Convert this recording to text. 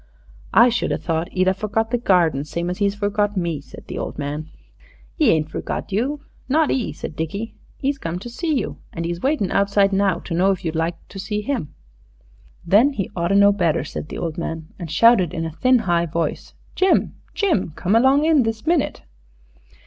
"I should a thought 'e'd a forgot the garden same as 'e's forgot me," said the old man. "'E ain't forgot you, not 'e," said Dickie; "'e's come to see you, an 'e's waiting outside now to know if you'd like to see 'im." "Then 'e oughter know better," said the old man, and shouted in a thin, high voice, "Jim, Jim, come along in this minute!"